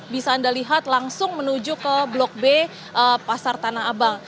bisa anda lihat langsung menuju ke blok b pasar tanah abang